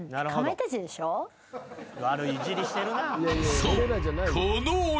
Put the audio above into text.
［そう］